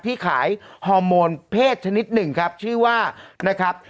ที่ขายฮอร์โมนเพศชนิดหนึ่งครับชื่อว่านะครับ